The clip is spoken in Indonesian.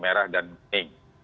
merah dan mening